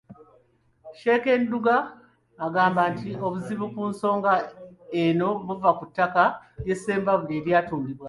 Shiekh Ndugga agamba nti obuzibu ku nsonga eno buva ku ttaka lye Ssembabule eryatundibwa.